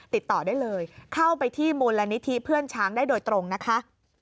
ติดต่อได้เลยเข้าไปที่มูลนิธิเพื่อนช้างได้โดยตรงนะคะ